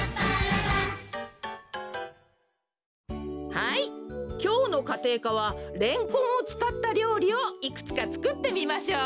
はいきょうのかていかはレンコンをつかったりょうりをいくつかつくってみましょう。